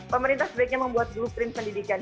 pemerintah sebaiknya membuat blueprint pendidikan